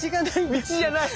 道じゃない。